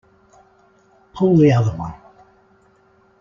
Pull the other one!